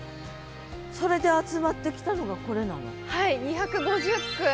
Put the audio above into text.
それで集まってきたのがこれなの？